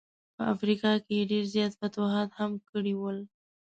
په افریقا کي یې ډېر زیات فتوحات هم کړي ول.